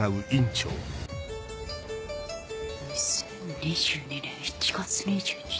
２０２２年１月２１日。